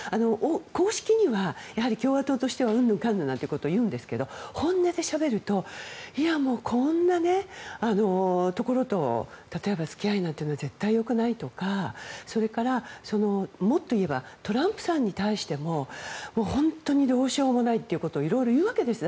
公式には、共和党としてはうんぬんかんぬんなんて言うんですけど本音でしゃべるとこんなところと例えば付き合うなんていうのは絶対、良くないとかそれから、もっと言えばトランプさんに対しても本当にどうしようもないということをいろいろ言うわけです。